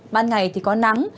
ban ngày thì có nắng